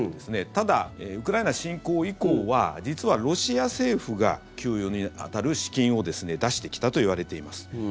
ただ、ウクライナ侵攻以降は実はロシア政府が給与に当たる資金を出してきたといわれています。